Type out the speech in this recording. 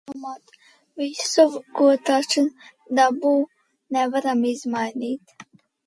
Mēs varam izdomāt visu ko, taču dabu nevaram izmainīt.